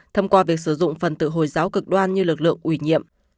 thông qua việc sử dụng phần tự hồi giáo cực đoan như lực lượng ủy nhiệm